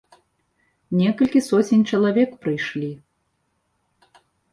Некалькі соцень чалавек прыйшлі.